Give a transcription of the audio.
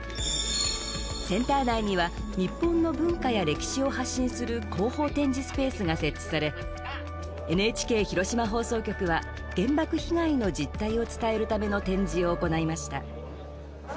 センター内には日本の文化や歴史を発信する広報展示スペースが設置されＮＨＫ広島放送局は原爆被害の実態を伝えるための展示を行いました。